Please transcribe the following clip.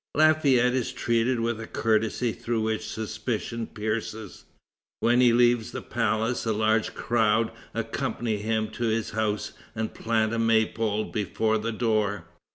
Lafayette is treated with a courtesy through which suspicion pierces. When he leaves the palace, a large crowd accompany him to his house and plant a may pole before the door.